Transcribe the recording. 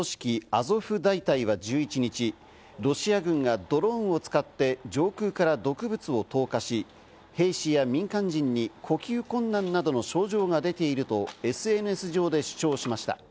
アゾフ大隊は１１日、ロシア軍がドローンを使って上空から毒物を投下し、兵士や民間人に呼吸困難などの症状が出ているとＳＮＳ上で主張しました。